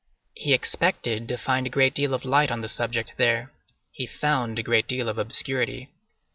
He expected to find a great deal of light on the subject there; he found a great deal of obscurity.